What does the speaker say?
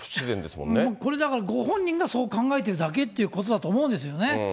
もうこれだから、ご本人がそう考えてるだけということだと思うんですよね。